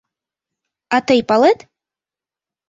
А тый палет?